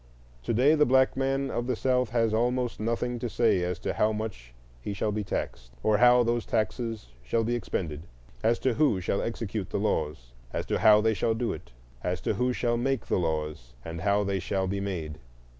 To day the black man of the South has almost nothing to say as to how much he shall be taxed, or how those taxes shall be expended; as to who shall execute the laws, and how they shall do it; as to who shall make the laws, and how they shall be made.